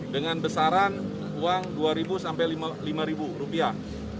dengan besaran uang dua sampai lima rupiah